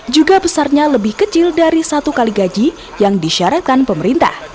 juga besarnya lebih kecil dari satu kali gaji yang disyaratkan pemerintah